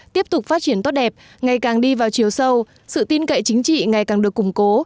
tiếp tục phát triển tốt đẹp ngày càng đi vào chiều sâu sự tin cậy chính trị ngày càng được củng cố